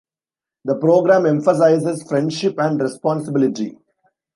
The programme emphasizes friendship and responsibility.